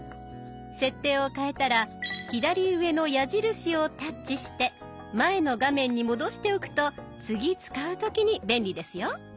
設定を変えたら左上の矢印をタッチして前の画面に戻しておくと次使う時に便利ですよ。